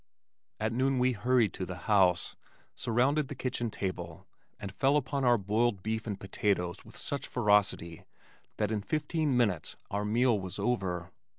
At noon we hurried to the house, surrounded the kitchen table and fell upon our boiled beef and potatoes with such ferocity that in fifteen minutes our meal was over.